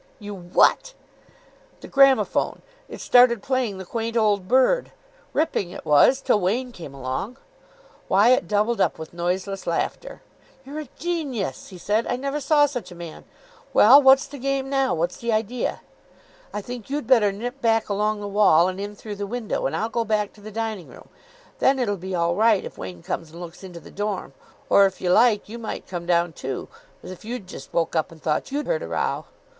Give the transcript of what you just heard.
"You what?" "The gramophone. It started playing 'The Quaint Old Bird.' Ripping it was, till Wain came along." Wyatt doubled up with noiseless laughter. "You're a genius," he said. "I never saw such a man. Well, what's the game now? What's the idea?" "I think you'd better nip back along the wall and in through the window, and I'll go back to the dining room. Then it'll be all right if Wain comes and looks into the dorm. Or, if you like, you might come down too, as if you'd just woke up and thought you'd heard a row."